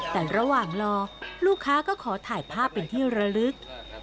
แต่ระหว่างรอลูกค้าก็ขอถ่ายภาพเป็นที่ระลึก